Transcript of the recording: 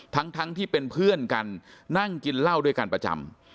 ทั้งที่เป็นเพื่อนกันนั่งกินเหล้าด้วยกันประจำ